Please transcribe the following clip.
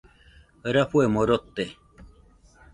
Rafuemo rote.